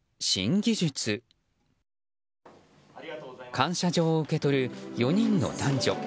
感謝状を受け取る４人の男女。